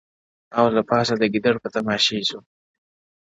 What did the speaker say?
• او له پاسه د ګیدړ په تماشې سو ,